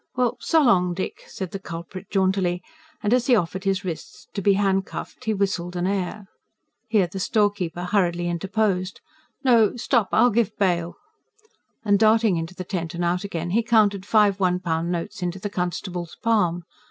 "Well, so long, Dick!" said the culprit jauntily; and, as he offered his wrists to be handcuffed, he whistled an air. Here the storekeeper hurriedly interposed: "No, stop! I'll give bail." And darting into the tent and out again, he counted five one pound notes into the constable's palm.